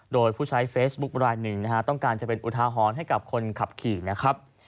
โดยผู้ใช้เฟซบุ๊กรายหนึ่งนะฮะต้องการจะเป็นอุทาหรณ์ให้กับคนขับขี่นะครับ